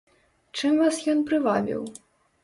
Чым вас ён прывабіў?